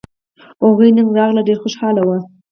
هغوی نن راغلل ډېر خوشاله وو